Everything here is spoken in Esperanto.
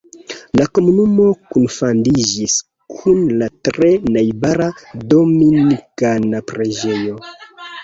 La komunumo kunfandiĝis kun la tre najbara Dominikana preĝejo.